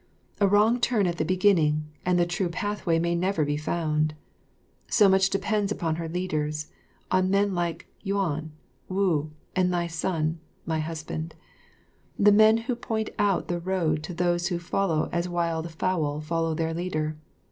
A wrong turn at the beginning, and the true pathway may never be found. So much depends upon her leaders, on men like Yuan, Wu, and thy son, my husband; the men who point out the road to those who will follow as wild fowl follow their leader.